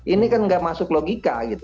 ini kan nggak masuk logika gitu